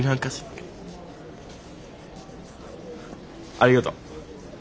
ありがとう。